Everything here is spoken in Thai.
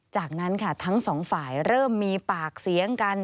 จากนั้นค่ะทั้งสองฝ่ายเริ่มมีปากเสียงกัน